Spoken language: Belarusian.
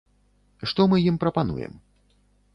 Што мы ім прапануем?